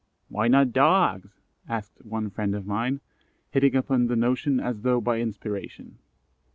"Why not Dogs?" asked one friend of mine, hitting upon the notion as though by inspiration.